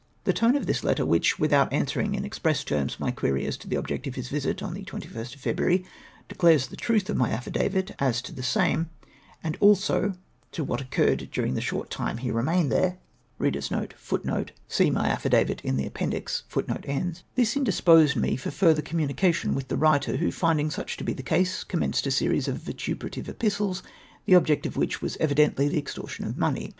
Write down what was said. The tone of this letter, which, witliout answering in express terms my query as to the object of his visit on the 21st of February, declares the truth of my affidavit as to the same, and also to what occurred durino the short time he remained there.* This indis posed me for further comnumication with the writer, who, lindhig such to be the case, commenced a series of vituperative epistles, the object of which was evi dently tlie extortion of money.